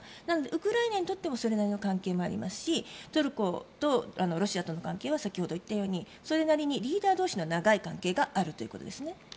なので、ウクライナにとってもそれなりの関係もありますしトルコとロシアの関係は先ほど言ったようにそれなりにリーダー同士の長い関係があるということですね。